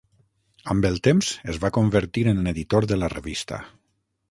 Amb el temps es va convertir en editor de la revista.